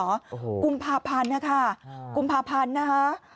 โอ้โหกุมภาพันธ์นะคะกุมภาพันธ์นะคะ